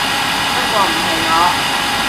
不過唔係我